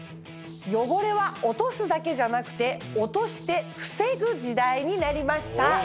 汚れは「落とす」だけじゃなくて「落として防ぐ」時代になりました。